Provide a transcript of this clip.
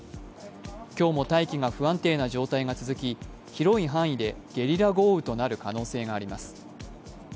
今日も大気が不安定な状態が続き広い範囲でゲリラ豪雨となる可能性があります。